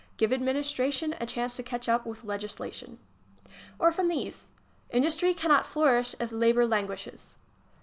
Give adminis tration a chance to catch up ivith legislation. Or from these: Industry cannot flourish if labor languishes.